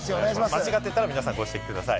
間違ってたら皆さん、ご指摘ください。